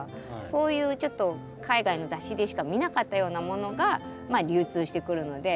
そういうちょっと海外の雑誌でしか見なかったようなものがまあ流通してくるので。